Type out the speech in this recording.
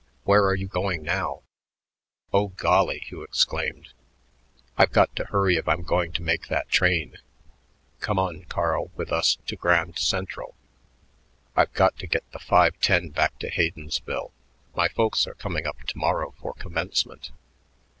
Where are you going now?" "Oh, golly," Hugh exclaimed, "I've got to hurry if I'm going to make that train. Come on, Carl, with us to Grand Central. I've got to get the five ten back to Haydensville. My folks are coming up to morrow for commencement."